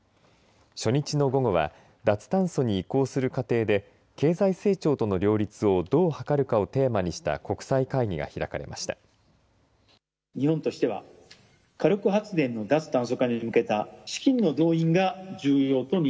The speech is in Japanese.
初日の午後は脱炭素に移行する過程で経済成長との両立をどう図るかをテーマにした国際会議が開かれました。